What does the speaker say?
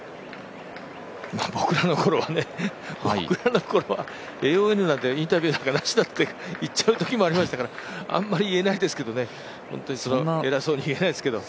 僕らの頃はね、僕らの頃はインタビューなんてなしだって言っちゃうときもありましたからあんまりいえないですけどね、そんな偉そうにいえないですけどね。